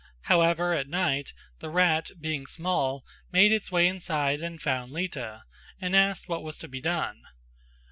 However at night the rat being small made its way inside and found out Lita, and asked what was to be done.